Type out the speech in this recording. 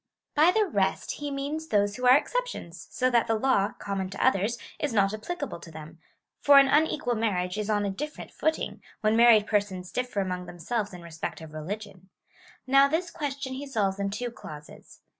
By the rest he means those Avho are exceptions, so that the law, common to others, is not applicable to them ; for an unequal marriage is on a differ ent footing, when married persons differ among themselves in resj)ect of religion/ Now this question he solves in two clauses.